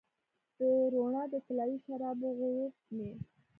د روڼا د طلایې شرابو غوړپ مې